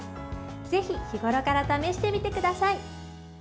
ぜひ日ごろから試してみてください。